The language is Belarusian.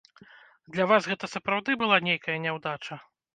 Для вас гэта сапраўды была нейкая няўдача?